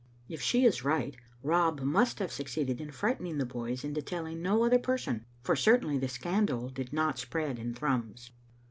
If she is right, Rob must have succeeded in frightening the boys into telling no other person, for certainly the scandal did not spread in Thrums.